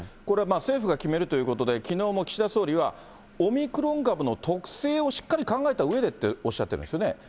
これは政府が決めるということで、きのうも岸田総理は、オミクロン株の特性をしっかり考えたうえでっておっしゃってますよね。